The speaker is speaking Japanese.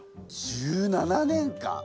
１７年間！